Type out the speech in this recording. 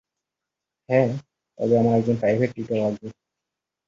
হ্যাঁ, তবে আমার একজন প্রাইভেট টিউটর লাগবে।